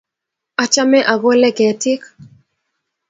Achame akole ketiik